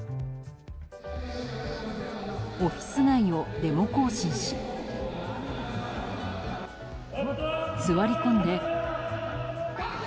オフィス街をデモ行進し座り込んで。